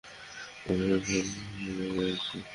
Bernardo সবসময়ই রেগে থাকে।